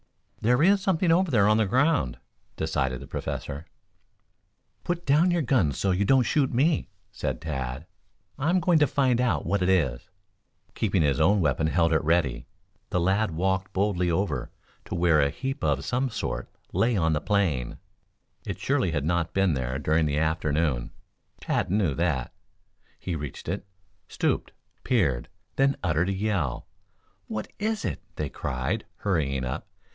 "There is something over there on the ground," decided the Professor. "Put down your guns so you don't shoot me," said Tad. "I'm going to find out what it is." Keeping his own weapon held at "ready," the lad walked boldly over to where a heap of some sort lay on the plain. It surely had not been there during the afternoon Tad knew that. He reached it, stooped, peered, then uttered a yell. "What is it?" they cried, hurrying up.